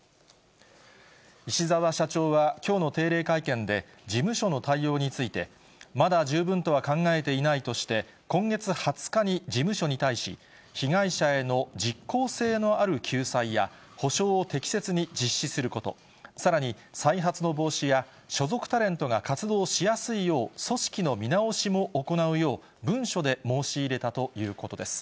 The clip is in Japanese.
石澤社長はきょうの定例会見で、事務所の対応について、まだ十分とは考えていないとして、今月２０日に事務所に対し、被害者への実効性のある救済や、補償を適切に実施すること、さらに、再発の防止や所属タレントが活動しやすいよう組織の見直しも行うよう、文書で申し入れたということです。